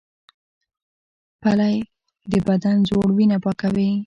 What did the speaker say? پلی د بدن زوړ وینه پاکوي